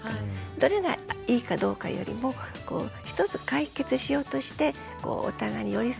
どれがいいかどうかよりも一つ解決しようとしてお互いに寄り添っていく。